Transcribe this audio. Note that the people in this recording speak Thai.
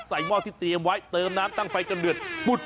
หม้อที่เตรียมไว้เติมน้ำตั้งไฟจนเดือดปุด